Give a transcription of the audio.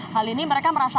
hal ini mereka merasakan